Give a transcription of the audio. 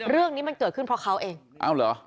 เรื่องนี้มันเกิดขึ้นเพราะเขาเองอ้าวเหรอ